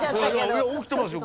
いや起きてますよ。